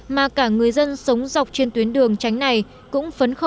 mà các hạng mục xây dựng đều đã hoàn thành